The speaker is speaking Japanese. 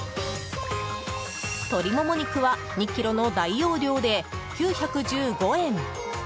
鶏モモ肉は、２ｋｇの大容量で９１５円！